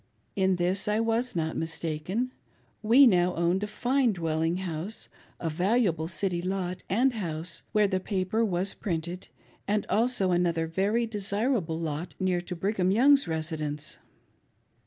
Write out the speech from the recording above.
In this I was not mistaken. We now owned a fine dwelling house, a valuable city lot and house, where the paper was printed, and also another very desirable lot, near to Brigham Young's residence.